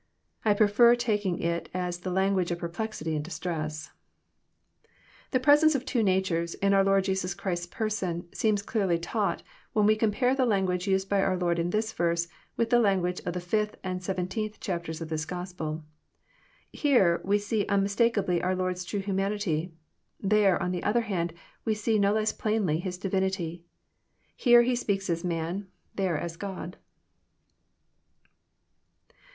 *' I prefer taking it as the language of perplexity and distress* The presence of two natures, in our Lord Jesus Christ's person, seems clearly taught, when we compare the language used by our Lord in this verse, with the language of the fifth and seventeenth chapters of this Gospel. Sere we see unmis takably our Lord's true humanity. TherCt on the other hand, we see no less plainly His divinity. Here He speaks as man ; there as God.